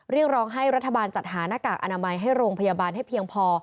เรียกร้องให้รัฐบาลจัดหาหน้ากากอนามัยให้โรงพยาบาลให้เพียงพอ